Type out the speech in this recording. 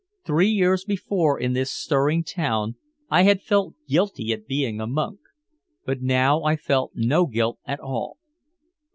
Three years before in this stirring town I had felt guilty at being a monk. But now I felt no guilt at all.